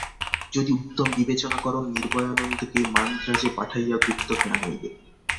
যদি উত্তম বিবেচনা কর, নির্ভয়ানন্দকে মান্দ্রাজে পাঠাইয়া গুপ্তকে আনাইবে।